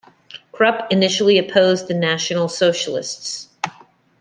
Krupp initially opposed the National Socialists.